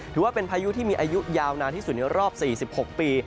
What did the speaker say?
ถือว่าเป็นพายุที่มีอายุยาวนานที่สุดในรอบ๔๖ปี